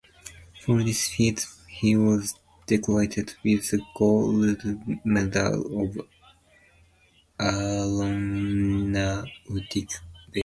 For this feat he was decorated with the Gold Medal of Aeronautic Valor.